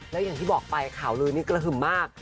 แล้วอย่างที่บอกไปข่าวลือนี่กระหึ่มมาก